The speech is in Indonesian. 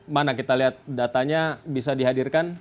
mana kita lihat datanya bisa dihadirkan